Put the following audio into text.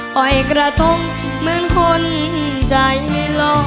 ปล่อยกระทงเหมือนคนใจรอ